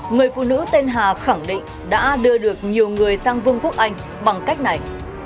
người phụ nữ tên hà khẳng định đã đưa được nhiều người sang vương quốc anh bằng cách này